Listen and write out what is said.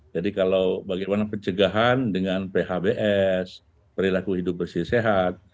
jadi kalau bagaimana pencegahan dengan phbs perilaku hidup bersih sehat